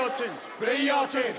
プレーヤーチェンジ。